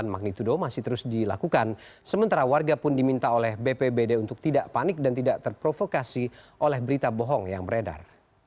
magnitudo masih terus dilakukan sementara warga pun diminta oleh bpbd untuk tidak panik dan tidak terprovokasi oleh berita bohong yang beredar